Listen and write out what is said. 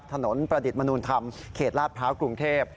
ถนนประดิษฐ์มนุษย์ธรรมดิ์เขตลาดพร้าวกรุงเทพฯ